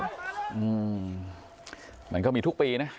อืมมันก็มีทุกปีนะ